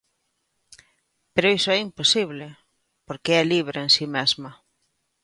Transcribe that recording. Pero iso é imposible porque é libre en si mesma.